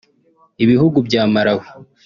Ibihugu bya Malawi